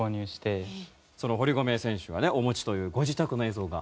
その堀米選手がねお持ちというご自宅の映像が。